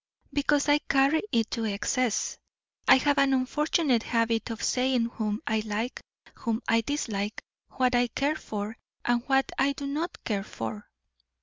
"Because I carry it to excess. I have an unfortunate habit of saying whom I like, whom I dislike, what I care for, and what I do not care for."